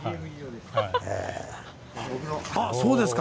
あっそうですか。